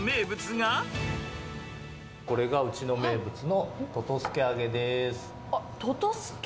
これがうちの名物の、ととすけ揚げです。